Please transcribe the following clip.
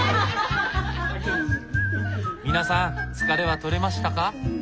皆さん疲れは取れましたか？